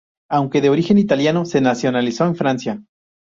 Aunque de origen italiano, se nacionalizó en Francia.